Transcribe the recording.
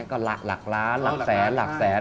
ก็หลักล้านหลักแสนหลักแสน